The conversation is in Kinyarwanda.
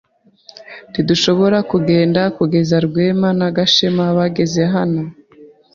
Ntidushobora kugenda kugeza Rwema na Gashema bageze hano.